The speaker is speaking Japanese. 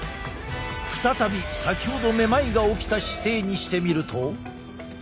再び先ほどめまいが起きた姿勢にしてみると。